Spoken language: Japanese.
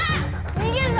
にげるぞ！